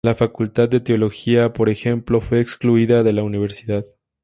La facultad de teología, por ejemplo, fue excluida de la universidad.